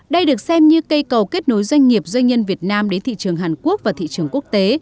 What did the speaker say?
đây được xem như cây cầu kết nối doanh nghiệp doanh nhân việt nam đến thị trường hàn quốc và thị trường quốc tế